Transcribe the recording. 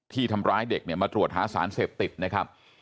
ที่ทำร้ายเด็กเนี่ยมาตรวจหาสารเสพติดนะครับ